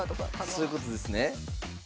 そういうことですね。